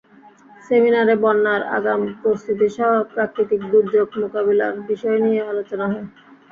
সেমিনারে বন্যার আগাম প্রস্তুতিসহ প্রাকৃতিক দুর্যোগ মোকাবিলার বিষয় নিয়ে আলোচনা হয়।